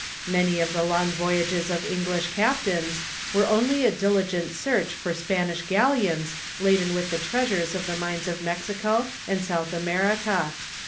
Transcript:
Many of the long voyages of English captains were only a diligent search for Spanish galleons laden with the treasures of the mines of Mexico and South America.